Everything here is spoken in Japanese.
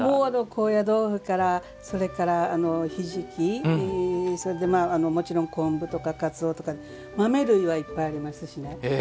高野豆腐からそれからひじき、それでもちろん昆布とか、かつおとか豆類はいっぱいありますしね。